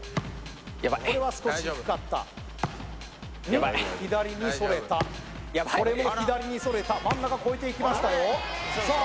これは少し低かった左にそれたこれも左にそれた真ん中こえていきましたよさあ